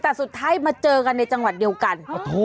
แต่สุดท้ายมาเจอกันในจังหวัดเดียวกัน